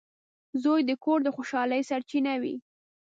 • زوی د کور د خوشحالۍ سرچینه وي.